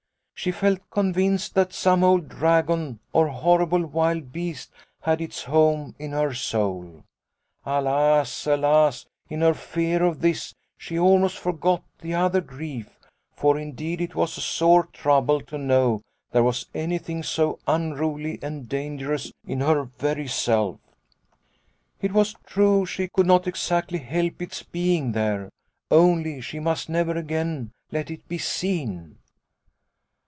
" She felt convinced that some old dragon or horrible wild beast had its home in her soul. Alas, alas, in her fear of this she almost forgot the other grief, for indeed it was a sore trouble to know there was anything so unruly and dangerous in her very self ! It was true she could not exactly help its being there, only she must never again let it be seen."